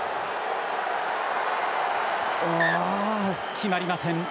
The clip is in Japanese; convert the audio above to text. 決まりません。